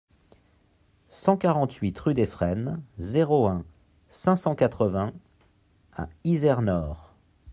cent quarante-huit rue des Frênes, zéro un, cinq cent quatre-vingts à Izernore